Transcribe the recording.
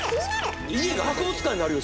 家が博物館になるよ